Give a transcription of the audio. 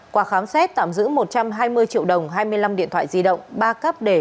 qua khám xét tạm giữ một trăm hai mươi triệu đồng hai mươi năm điện thoại di động ba cáp đề